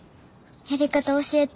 やり方教えて。